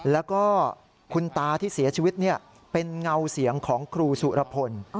แล้วก็คุณตาที่เสียชีวิตเป็นเงาเสียงของครูสุรพล